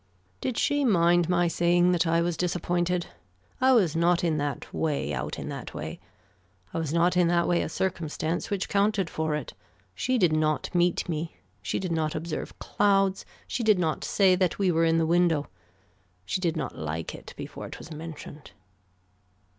Did she mind my saying that I was disappointed. I was not in that way out in that way. I was not in that way a circumstance which counted for it. She did not meet me. She did not observe clouds. She did not say that we were in the window. She did not like it before it was mentioned.